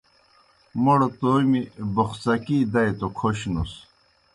موْڑ تومیْ بوخڅَکِی دائے توْ کھوشنُس۔